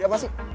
ini apa sih